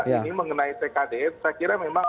ini mengenai tkdn saya kira memang